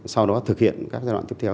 sau đó thực hiện các giai đoạn tiếp theo